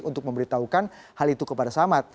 untuk memberitahukan hal itu kepada samad